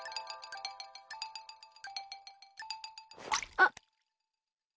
あっ！